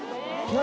何？